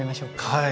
はい。